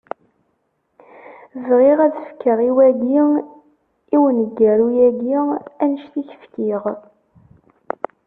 Bɣiɣ ad fkeɣ i wagi, i uneggaru-agi, annect i k-fkiɣ.